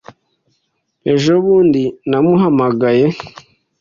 Ejobundi, namuhamagaye.